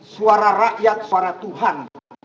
suara rakyat suara tuhan